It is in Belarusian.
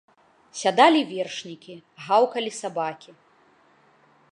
Сядалі вершнікі, гаўкалі сабакі.